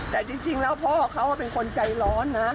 แต่จริงแล้วพ่อเขาเป็นคนใจร้อนนะ